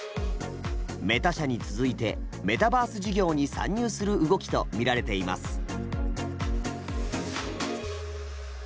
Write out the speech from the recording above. メタ社に続いてメタバース事業に参入する動きとみられています。